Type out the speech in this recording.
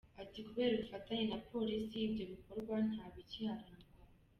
Ati “Kubera ubufatanye na Polisi, ibyo bikorwa nta bikiharangwa.